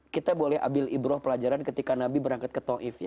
kita boleh ambil ibrah pelajaran ketika nabi berangkat ke taif ⁇